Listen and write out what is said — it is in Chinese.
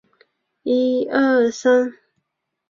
宋慈墓的历史年代为宋。